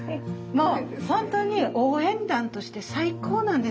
本当に応援団として最高なんです。